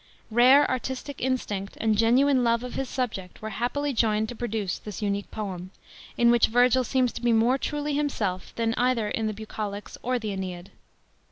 Rare artistic instinct and genuine love of his subject were happily joined to produce this unique poem, in which Virgil seems to be more truly himself than either in the Bucolics or the Aeneid.